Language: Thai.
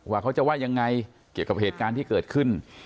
เขาจะว่ายังไงเกี่ยวกับเหตุการณ์ที่เกิดขึ้น